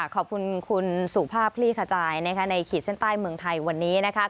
ขอบคุณคุณสุภาพคลี่ขจายในขีดเส้นใต้เมืองไทยวันนี้